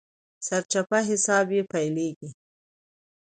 سرچپه حساب يې پيلېږي.